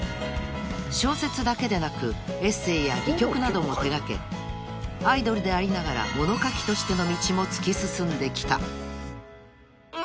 ［小説だけでなくエッセーや戯曲なども手掛けアイドルでありながら物書きとしての道も突き進んできた］